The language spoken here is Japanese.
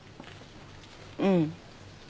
うん。